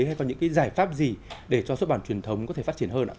hay có những cái giải pháp gì để cho sốt bản truyền thống có thể phát triển hơn ạ